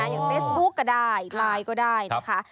อย่างเฟซบุ๊กก็ได้ไลน์ก็ได้นะคะ